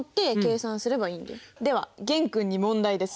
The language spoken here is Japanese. では玄君に問題です。